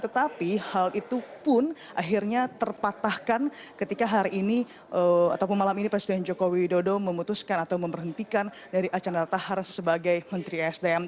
tetapi hal itu pun akhirnya terpatahkan ketika hari ini ataupun malam ini presiden joko widodo memutuskan atau memberhentikan dari archandra tahar sebagai menteri sdm